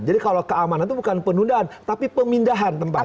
jadi kalau keamanan itu bukan penundaan tapi pemindahan tempat